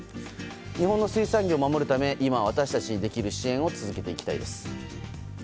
日本の水産業を守るため今、私たちにできる支援を続けていきたいです。